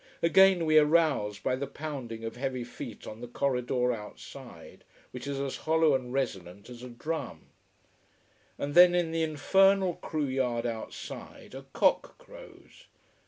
Again we are roused by the pounding of heavy feet on the corridor outside, which is as hollow and resonant as a drum. And then in the infernal crew yard outside a cock crows.